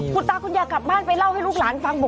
คุณตาคุณยายกลับบ้านไปเล่าให้ลูกหลานฟังบอก